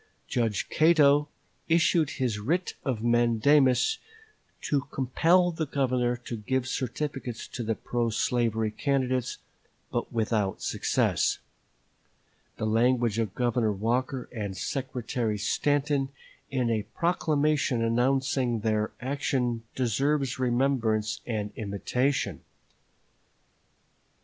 Judge Cato issued his writ of mandamus to compel the Governor to give certificates to the pro slavery candidates, but without success. The language of Governor Walker and Secretary Stanton in a proclamation announcing their action deserves remembrance and imitation.